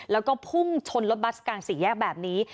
แล้วก็พุ่งชนรถบัสกลางสี่แยกแบบนี้